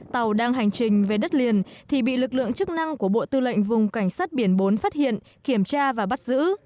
tàu đang hành trình về đất liền thì bị lực lượng chức năng của bộ tư lệnh vùng cảnh sát biển bốn phát hiện kiểm tra và bắt giữ